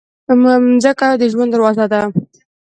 مځکه د ژوند دروازه ده.